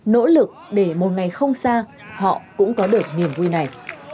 nỗ lực để một ngày không xa họ cũng có được niềm vui này